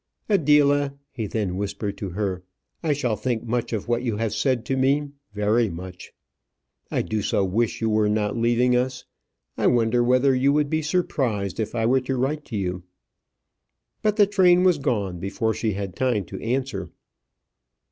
"Adela," he then whispered to her, "I shall think much of what you have said to me, very much. I do so wish you were not leaving us. I wonder whether you would be surprised if I were to write to you?" But the train was gone before she had time to answer.